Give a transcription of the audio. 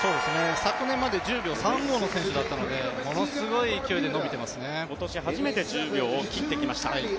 昨年まで１０秒３５の選手だったので今年初めて１０秒を切ってきました。